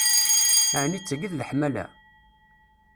Ɛni d taki i d leḥmala?